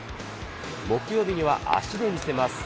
木曜日には足で見せます。